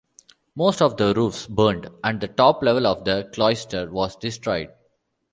Most of the roofs burned, and the top level of the cloister was destroyed.